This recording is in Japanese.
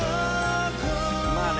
まあね。